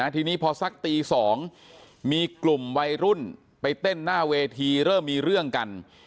ทีนี้พอสักตี๒มีกลุ่มวัยรุ่นไปเต้นหน้าเวทีเริ่มมีเรื่องกัน